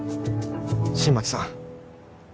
新町さん